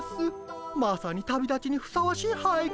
まさに旅立ちにふさわしい俳句です。